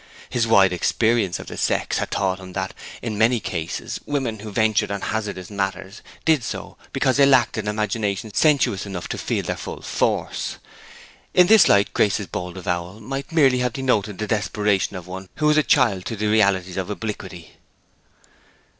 His wide experience of the sex had taught him that, in many cases, women who ventured on hazardous matters did so because they lacked an imagination sensuous enough to feel their full force. In this light Grace's bold avowal might merely have denoted the desperation of one who was a child to the realities of obliquity.